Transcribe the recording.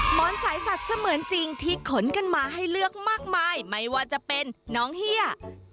หมอนสายสัตว์เสมือนจริงที่ขนกันมาให้เลือกมากมายไม่ว่าจะเป็นน้องเฮีย